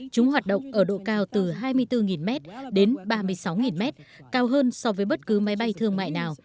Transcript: chúng hoạt động ở độ cao từ hai mươi bốn m đến ba mươi sáu mét cao hơn so với bất cứ máy bay thương mại nào